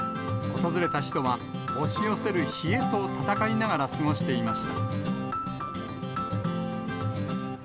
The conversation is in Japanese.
訪れた人は、押し寄せる冷えと戦いながら過ごしていました。